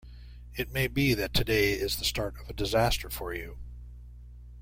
It may be that today is the start of a disaster for you.